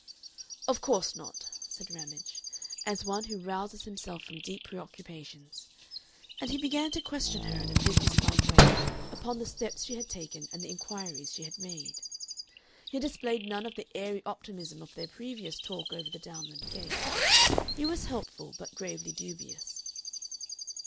"Of course not," said Ramage, as one who rouses himself from deep preoccupations And he began to question her in a business like way upon the steps she had taken and the inquiries she had made. He displayed none of the airy optimism of their previous talk over the downland gate. He was helpful, but gravely dubious.